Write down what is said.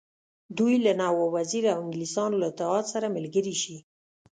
دوی له نواب وزیر او انګلیسیانو له اتحاد سره ملګري شي.